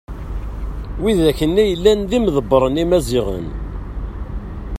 widak-nni yellan d imḍebren d imaziɣen.